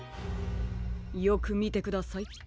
よくみてください。